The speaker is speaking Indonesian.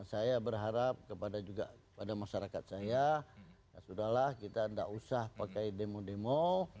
saya berharap kepada juga kepada masyarakat saya sudahlah kita tidak usah pakai demo demo